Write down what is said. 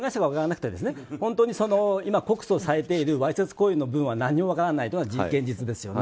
本当に今、告訴されているわいせつ行為の部分は何も分からないというのが現実ですよね。